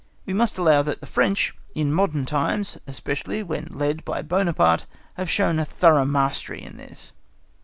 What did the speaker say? We must allow that the French, in modern times, especially when led by Buonaparte, have shown a thorough mastery in this.